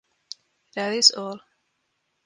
That is all.